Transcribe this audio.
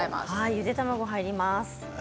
ゆで卵、入ります。